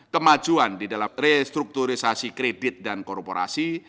kemajuan di dalam restrukturisasi kredit dan korporasi